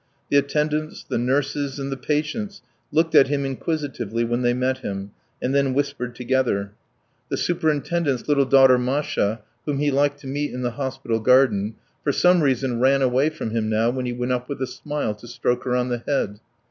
The attendants, the nurses, and the patients looked at him inquisitively when they met him, and then whispered together. The superintendent's little daughter Masha, whom he liked to meet in the hospital garden, for some reason ran away from him now when he went up with a smile to stroke her on the head.